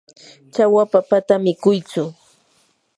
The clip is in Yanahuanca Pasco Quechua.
chawa papata mikuytsu.